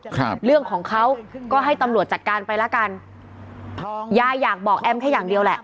ครับเรื่องของเขาก็ให้ตำรวจจัดการไปแล้วกันยายอยากบอกแอมแค่อย่างเดียวแหละ